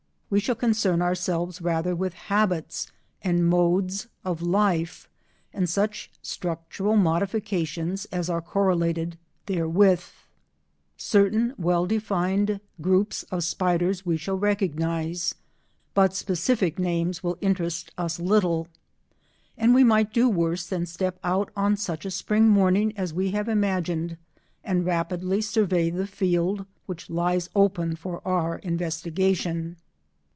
We shall concern ourselves rather with habits and modes of life and such structural modifications as are correlated therewith. Certain well defined groups of spiders we shall recognise, but specific names will interest us little. And we might do worse than step out on such a spring morning as we have imagined and rapidly survey the field which lies open for our investigation.